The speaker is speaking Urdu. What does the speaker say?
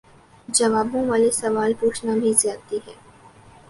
جوابوں والے سوال پوچھنا بھی زیادتی ہے